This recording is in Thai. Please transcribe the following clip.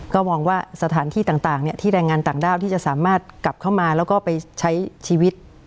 ก็มองว่าสถานที่ต่างที่แรงงานต่างด้าวที่จะสามารถกลับเข้ามาแล้วก็ไปใช้ชีวิต